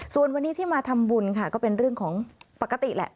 ส่วนวันนี้ที่มาทำบุญค่ะก็เป็นเรื่องของปกติแหละ